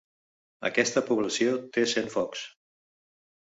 Aquesta població té cent focs.